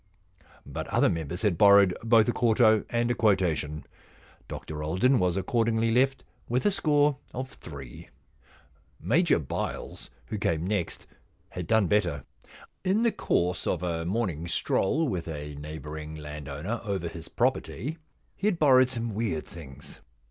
But other members had borrowed both a quarto and a quotation. Dr Alden was accordingly left with a score of three. Major Byles, who came next, had done better. In the course of a morning stroll with a neighbouring landowner over his pro perty, he had borrowed some weird things.